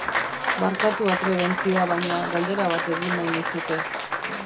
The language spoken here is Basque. Barkatu atrebentzia, baina galdera bat egin nahi nizuke.